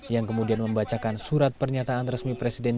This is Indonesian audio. yang kemudian membacakan surat pernyataan resmi presiden